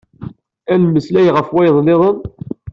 I nemmeslay ɣef wayen niḍen?